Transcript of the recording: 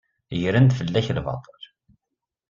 Gren-d fell-ak lbaṭel.